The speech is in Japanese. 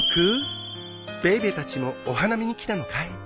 ベイベーたちもお花見に来たのかい？